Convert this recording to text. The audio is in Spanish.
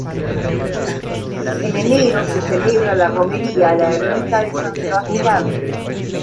En enero se celebra la romería a la ermita de San Sebastián.